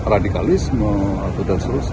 radikalisme atau dan sebagainya